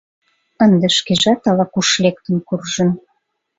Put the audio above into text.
Ынде шкежат ала-куш лектын куржын.